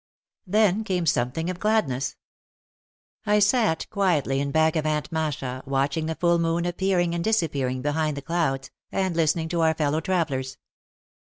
Then came something of gladness. I sat quietly in back of Aunt Masha, watching the full moon appearing and disappearing behind the clouds, and listening to our fellow travellers.